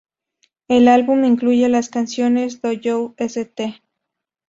El álbum incluye las canciones "Do you St.